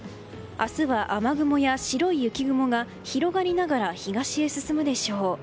明日は雨雲や白い雪雲が広がりながら東へ進むでしょう。